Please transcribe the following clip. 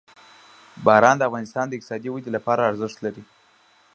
باران د افغانستان د اقتصادي ودې لپاره ارزښت لري.